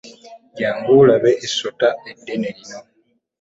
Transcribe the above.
Jangu olabe essota eddene lino!